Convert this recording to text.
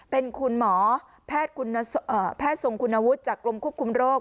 เป็นคุณหมอแพทย์ทรงคุณวุฒิจากกรมควบคุมโรค